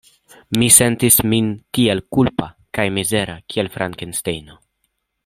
Mi sentis min tiel kulpa kaj mizera kiel Frankenstejno.